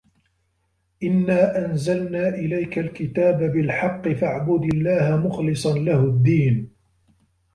إِنّا أَنزَلنا إِلَيكَ الكِتابَ بِالحَقِّ فَاعبُدِ اللَّهَ مُخلِصًا لَهُ الدّينَ